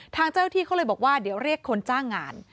ทางเจ้าที่เขาเลยบอกว่าเดี๋ยวเรียกคนจ้างงาน